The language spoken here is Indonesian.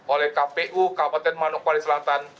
oleh kpu kabupaten manokwari selatan